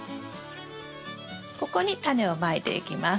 ここにタネをまいていきます。